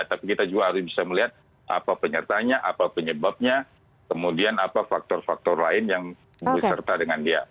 tapi kita juga harus bisa melihat apa penyertanya apa penyebabnya kemudian apa faktor faktor lain yang berserta dengan dia